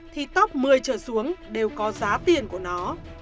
thì top một mươi trở xuống đều có giá tiền của nó